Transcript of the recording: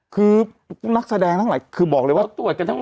ก็ตรวจอีกรอบหนึ่ง